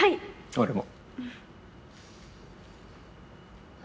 俺も。